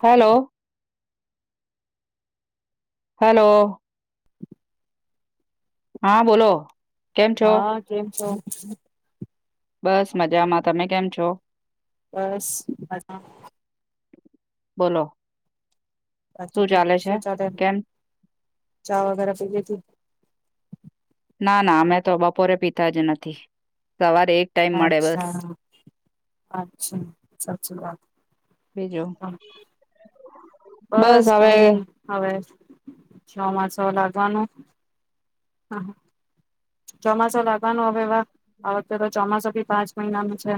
Hello hello હા બોલો કેમ છો હા કેમ છો હમ બસ મજામાં તમે કેમ છો બસ અા બોલો શું બાકી ચાલે છે શચા ટમ કેમ ચા વગેરા પી લતી ના ના અમે તો બપોરે પીતા જ નથી સવારે એક ટાઈમ મળે બસ અચ્છા અચ્છા સાચી વાત બીજું હા બસ હવે કઈ નઈ હ હવે ચોમાસું લાગવાનું ચોમાસું લાગવાનું હવે વા આ વખતે તો ચોમાસું ભી પાંચ મહિનાનું છે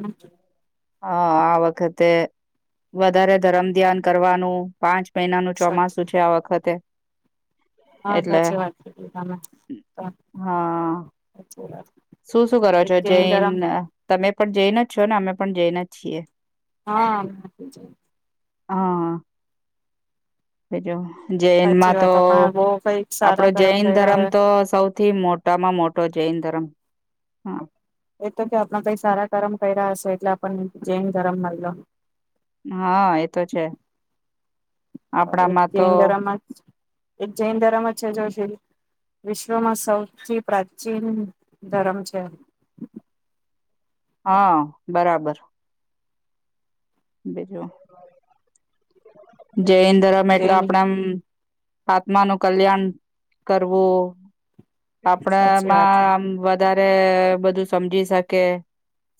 હા આ વખતે વધારે ધરમ ધ્યાન કરવાનું પાંચ મહિનાનું સાચી ચોમાસું છે આ વખતે હા એટલે સાચી વાત કીધી તમે સાચી હા વાત શું શું કરો એક છો જૈન ધરમ તમે પણ જઈને છોનેમે પણ જઈને જ છીએ હા જ હા બીજુ સાચી જૈનમાં તો વાત આપણે બહુ કઈક આપડો સારા કરમ જૈન કર્યા ધર્મ હવે તો સૌથી મોટામાં મોટો જૈન ધર્મ હા એ તો કે આપણા કઈ સારા કરમ કર્યા હશે એટલે આપણ જૈને ધરમ માલ્યો હા એતો છે. એક આપણામાં તો જૈન ધર્મમાં જ એક જૈન ધર્મ જ છે જો વિશ્વમાં સૌથી પ્રાચીન ધર્મ છે. હા બરાબર બીજું જૈન ધરમ એટલે જૈન આપણેમ આત્માનું કલ્યાણ કરવું આપડા સાચી વાત માં આમ વધારે બધું સમજી શકે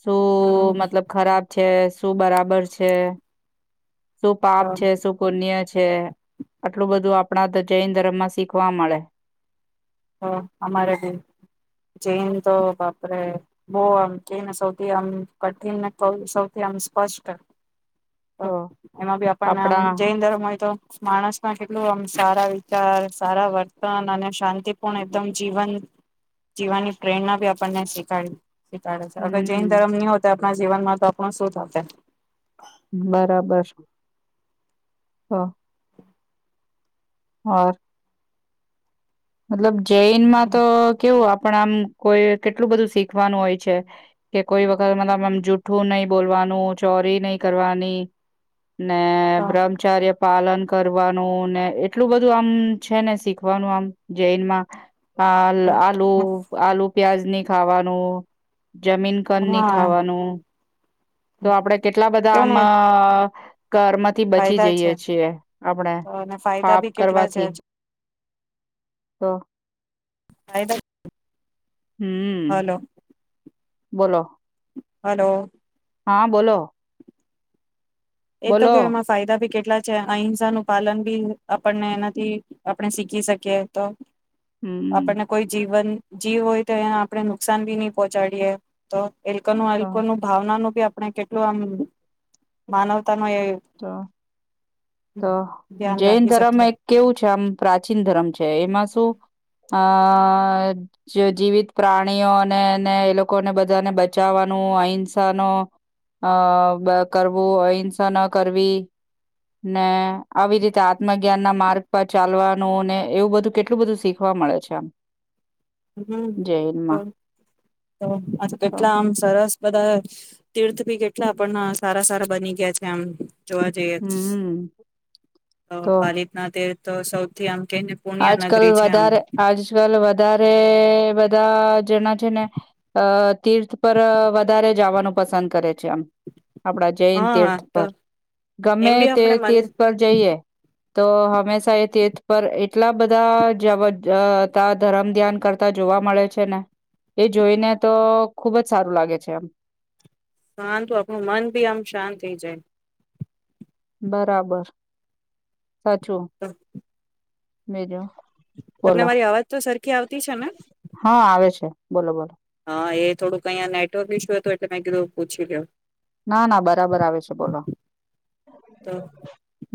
સો હમ મતલબ ખરાબ છે શું બરાબર પ છે શું તો પાપ છે શું પુન્ય છે જે આટલું બધું આપણા તો જૈન ધર્મ માં શીખવા મળે તો અમારે બી જૈન તો બાપરે બહુ આમ કૈન સૌથી આમ કઠિનને સૌથી આમ સ્પષ્ટ તો એમાં ભી આપણને આમ આપણા જૈન ધર્મ હોય તો માણસમાં કેટલું આમ સારા વિચાર સારા વર્તન અને શાંતિ પણ એકદમ જીવન જીવાની પ્રેરણા આપણને શ શીખડે છે અગર જૈન હમ ધર્મ ન હો આપ જીવનમાં તો આપણું શું થશે. બરાબર હા હા મતલબ જૈન માં તો કેવું આપ પણ આમ કોઈ કેટલું બધું શીખવાનું હોય છે કે કોઈ વખત મતલબ આમ જૂઠું નહી બોલવાનું ચોરી નહી કરવાની ને બ્રહ્મચાર્ય પાલન કરવાનું ને એટલું બધું આમ છે ને શીખવાનું આમ જૈનમાં અ આલ આલુ આલુ પ્યાજની ખાવાનું જમીન કનની હા ખાવાનું તો આપડે કેટલા બધા કેવું આમ ને [unintelligible] ઘર માંથી બચી ફાયદા છે જઈએ છીએ આપણેે અને ફાયદા પાપ બી કેટલા છે કરવાથી તો સાહેબ હમ બોલો હલો હા બોલો એતો બોલો કેમાં ફાયદ ભી કે કેટલા છે અહિંસા નું પાલન બી આપણને એનાથી આપણે શીખી શકીએ તો હમ આપણને કોઈ જીવન જીવ હોય તો એને આપડણે નુકસાન ભી નહી પહોંચાડીયએ તો એનું તો અલું ભાવનાનુંી આપણે કેટલું આમ માનવ તો તો ધ્યાન જૈન રાખી ધર્મ શકીએ એક કેવું છે આમ પ્રાચીન ધર્મ છે એમાં શું અ જીવિત પ્રાણીઓ અનેને એ લોકોને બધાને બચાવવાનું અહિંસા ન અ કરવું અહિંસા ન કરવી ને આવી રીતે આત્મ જ્ઞાન ના માર્ગ પર ચાલવાનું ને એવું બધું કેટલું બધું શીખવા મળે છે આમ હ જૈનમાં આ તો કેટલા આમ સરસ બધા તીર્થ ી કેટલા પણ સારા સારા બની ગયા છે એમ જોવા જઈએ તો હમ આ રીતના તે તો સૌથી આમ કેને પુણ્ય આજ કલ નગરી છે આમ વધારે આજ કલ વધારે બધા જેના જે ને અ તીર્થ પર વધારે જવાનું પસંદ કરે છે આમ આપડા જૈન હા તીર્થ તો પર એમ ગમે બી તે આપણે મન તીર્થ પર જઈએ તો હંમેશા એ તીથ પર કેટલા બધા જ ધરમ ધ્યાન કરતા જોવા મળે છે ને એ જોઈને તો ખુબ જ સારું લાગે છે એમ શાંતુ આપણું મન ભી આમ શાંત થઈ જાય બરાબર સાચો તો મેરો તમને મારી અવાજ તો સરખી આવતી તે છે હા આવે છે બોલો બોલો હા એ થોડુંક અહીંયા નેટવર્ક ઇસ્યુ હતું એટલે મેં કીધું પૂછી ગયો ના ના બરાબર આવે છે બોલો તો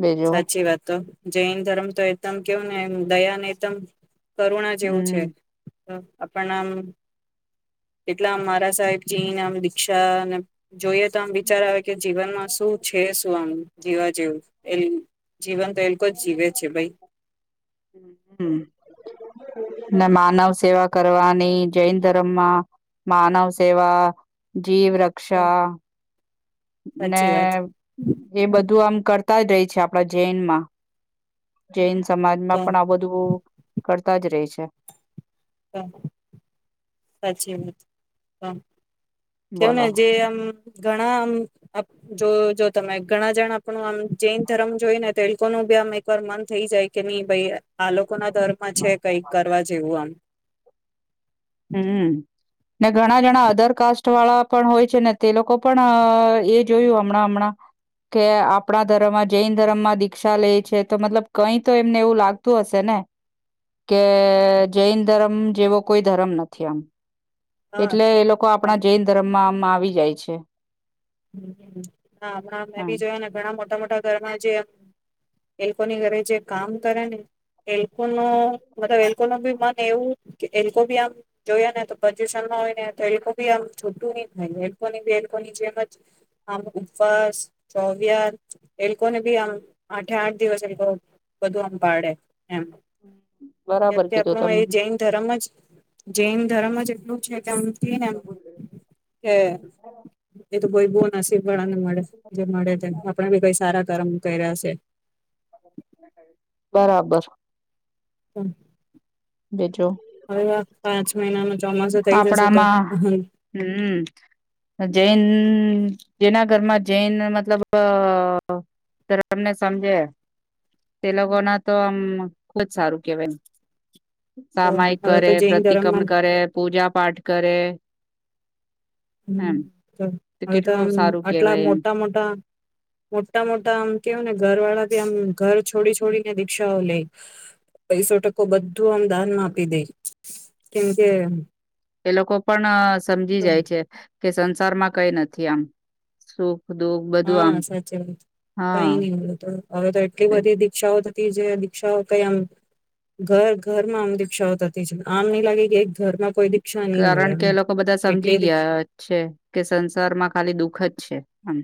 બીજું સાચી વાત તો જૈન ધર્મ તો એકદમ કેવું એમ દયાનેત કરુણા જેવું છે. હમ આપણા આમ એટલા આમ મારા સાહેબજીને આમ દીક્ષા જોઈએ તો આમ વિચાર આવે કે જીવનમાં શું છે શું આમ જીવા જેવું એ જીવન તો એ લોકો જ જીવે છે ભાઈ હમ માનવ સેવા કરવાની જૈન ધર્મમાં માનવ સેવા જીવ રક્ષા ને સાચી વાત એ બધું આમ કરતા જ રહી છે આપણા જૈનમાં જૈન તો સમાજમાં પણ આ બધું કરતા જ રહે છે. હ સાચી વાત હ કેવું ને બોલો જે આમ ઘણા આમ જો જો તમે ઘણા જણ આપણું આમ જૈન ધર્મ જોઈ ને તે લોકો ન બી આમ એકવાર મન થઈ જાય કે નહી ભાઈ આ લોક લોકો ના ધર્મમાં છે કઈક કરવા જેવું આમ હમ ને ઘણા જણા અધર કાસ્ટ વાળા પણ હોય છે ને તે લોકો પણ એ જોયું હમણાં હમણાં કે આપણા ધર્મમાં જૈન ધર્મમાં દીક્ષા લે છે તો મતલબ કઈ તો એમને એવું લાગતું હશે ને કે જૈન ધર્મ જેવો કોઈ ધરમ નથી આમ હા એટલે તો એ લોકો આમ આપણા જૈન ધર્મમાં આવી જાય છે. હ હમણાં મેં એમ ભી જોયા ને ઘણા મોટા મોટા આપ ઘરમાં જે એ લોકોની ઘરે જે કામ કરે ને એ લોકો નો મતલબ એ લોકો ન બી મન એવું કે એ લોકો ભી આમ જોયા ને તો પોઝિશન માં હોય ને એ લોકો ભી આમ છૂટું ન થાય એ લોકો એની જેમ જ આમ ઉપવાસ ચવયાર એ લોકોને ભી આમ આઠે આઠ દિવસ એ લોકો બધું આમ પાડે એમ કેમ બરાબર કે કીધું આપણો એ તમે જૈન ધર્મ જ જૈન ધર્મ જ એ છે કેમ [inaudible] એ તો કોઈ બહુ નસીબ વાળા ને મળે જે મળે તેમ આપડ બી કઈ સારા કરમ કર્યા છે. બરાબર હમ્. બીજું હવે વા પાંચ મહિના ન ચોમાસું થઇ જશે તો આપણામાં હમ જૈન જેના ઘરમાં જૈન મતલબ ધર્મને સમજે તે લોકો ના તો આમ ખુજ સારું કેહેવાય. તો સામાયિક હવે કરે, તો જૈન ધર્મમાં પ્રતિક્રમણ કરે, પૂજા પાઠ કરે. એમ હવે તો કેટલું આમ સારું આટલા કેવાય એમ મોટા મોટા મોટા મોટા આમ કેવું ને ઘર વાળા બી આમ ઘર છોડી છોડીને દીક્ષાઓ લઈ પૈસો ટકો બ તું આમ દાન મા આપી દઈ. કેમ કે એ લોકો પણ સમજી જાય છે. કે સંસારમાં કઈ નથી આમ શું હા સાચી વાત હા કઈ નઈ હવે તો એટલી એ બધી દીક્ષાઓ જે દીક્ષાઓ કઈ આમ ઘર ઘરમાં આમ દીક્ષાઓ થતી છે આમ નહી લાગે કે એક ઘરમાં કોઈ બી કારણ કે એ લોકો બધા સમજી ગયા છે કે સંસારમાં ખાલી દુઃખ જ છે આમ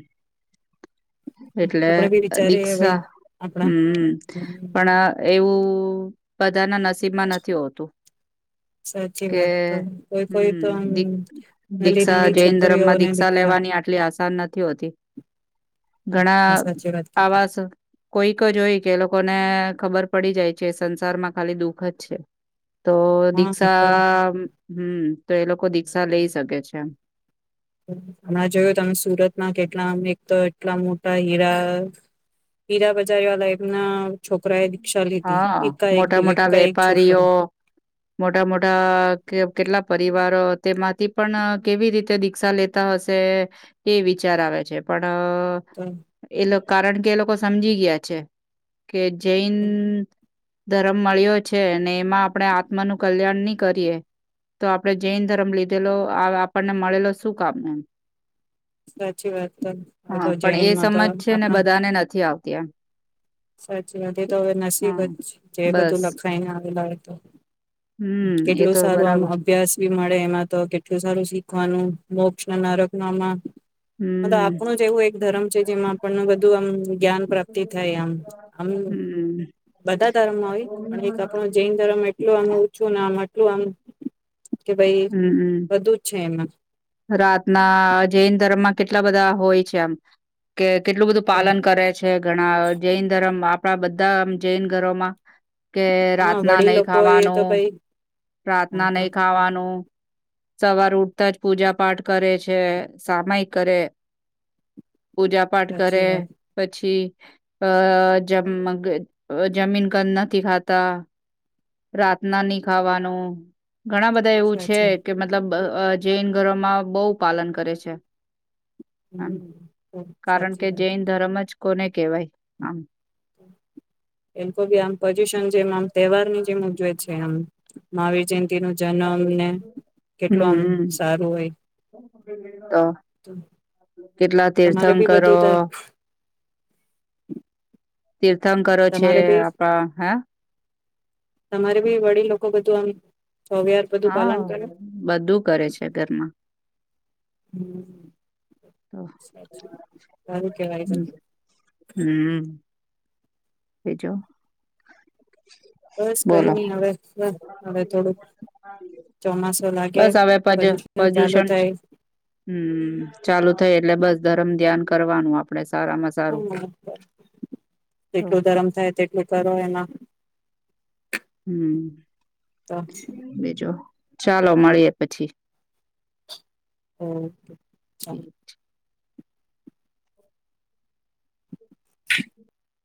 એટલે આપણે બી વિચારીએ દીક્ષા ભાઈ આપણા હમ હમ પણ એવું બધા ના નસીબમાં નથી હોતું સાચી કે વાત તો કોઈ કોઈ તો આમ હમ નલી દીક્ષા નલી જૈન ધર્મમાં છોકરીઓને દીક્ષા દીકરા લેવાની આટલી આસાન નથી હોતી ઘણા હા સાચી વાત કીધી આવાસ કોઈક જો હોય કે લોકો ને ખબર પડી જાય છે સંસાર માં ખાલી દુઃખ જ છે તો હા તો દીક્ષા હમ તો એ લોકો દીક્ષા લઈ શકે છે એમ હમણાં જોયું તમે સુરતમાં કેટલામ એક તો એટલા મોટા હીરા હીરા બજારી વાળ ના હા મોટા મોટા એકા એક વેપારીઓ છોકરો મોટા મોટા કેટલા પ પરિવારો તેમાંથી પણ કેવી રીતે દીક્ષા લેતા હશે એ વિચાર આવે છે પણ તો એ લોકો કારણ કે એ લોકો સમજી ગયા છે કે જૈન ધર્મ મળ્યો છે ને એમાં આપણે આત્માનુંું કલ્યાણ નહી કરીએ તો આપણે જૈન ધર્મ લીધેલો આપણને મળેલો શું કામ એમ સાચી વાત તો હવે હા તો જૈનમાં તો આખ ક્યા સાચી વાત એ તો હવે નસીબ જે બસ બધું લખાય લ તો હમ એ કેટલું તો સારું આમ બરાબર અભ્યાસ ભી મળે એમાં તો કેટલું સારું શીખવાનું મોક્ષ નારક નામાં હમ આપણું જ એવું એક ધર્મ છે જેમાં આપણને બધું આમ જ્ઞાન પ્રાપ્તિ થાય આમ આમ હમ બધા ધર્મમાં હોય પણ એક આપણો જૈન ધર્મ એટલો આમે ઓછું ને આ માટે શવામ હમ એમાં હમ રાતના જૈન ધર્મ માં કેટલા બધા હોય છે એમ કે કેટલું બધું તો પાલન કરે છે ઘણા જૈન ધર્મ આપણા બધા બધા આમ જૈન ઘરોમાં કે હા રાતના વડીલ નહીિ લોકો એ તો ખાવાનું ભાઈ હા રાતના તો નહી ખાવાનું સવાર ઉઠતા જ પૂજા પાઠ કરે છે સામાય કરે પૂજા પાઠ સાચી કરે વાત પછી અ જમ જમીન ક નથી ખાતા રાતના નહ ખાવાનું ઘણા બધા એવું છે સાચી છે કે મતલબ જૈન ઘરોમાં બહુ પાલન કરે છે. હમ કારણ કે જૈન ધર્મ જ કોને કહેવાય આમ એમ તો બી આમ પોઝિશન જેમ આમ તહેવાર ની જેમ ઉજવેય છે [unintelligible] [unintelligible] જેમ નો જન્મને કેટલું આમ સારું હોય ઓ કેટલા તમારે તીર્થં બી કરો બધું [unintelligible] તીર્થં કરો છે તમારે બી આપણા હા તમારે બી વડી લોકો બધું આમ ચોગયાર બધું હા પાલન કરે બધું કરે છે ઘરમાં. હમ, તો સાચું સારું કેવાય હ તને હમ. બીજું બસ કઈ નઈ હવે હવે થોડું, ચોમાસું લાગે બસ હવે પજ પઝિશન ચાલુ પ્રદુષણ થાય. હમ ચાલુ થઈ એટલે બસ ધરમ ધ્યાન કરવાનું આપડે- સારામાં સારું હમ એટલું ધરમ થાય તેટલું કરો એના હમ. બિજો. ચાલો મળીએ પછી. ઓકે. [inaudible]